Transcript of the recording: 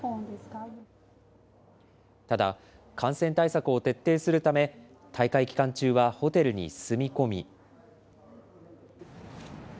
ただ、感染対策を徹底するため、大会期間中はホテルに住み込み。